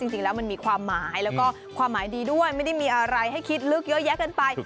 จริงแล้วมันมีความหมายแล้วก็ความหมายดีด้วยไม่ได้มีอะไรให้คิดลึกเยอะแยะเกินไป